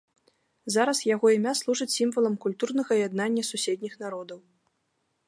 Зараз яго імя служыць сімвалам культурнага яднання суседніх народаў.